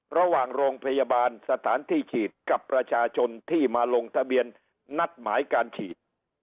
ระหว่างโรงพยาบาลสถานที่ฉีดกับประชาชนที่มาลงทะเบียนนัดหมายการฉีด